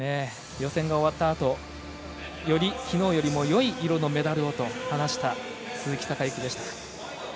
予選が終わったあとよりきのうよりもいい色のメダルをと話した鈴木孝幸でした。